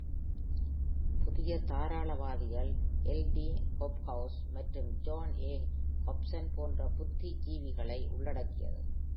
புதிய தாராளவாதிகள் L. T. Hobhouse மற்றும் ஜான் ஏ. ஹாப்சன் போன்ற புத்திஜீவிகளை உள்ளடக்கியது.